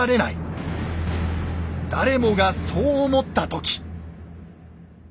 誰もがそう思った時。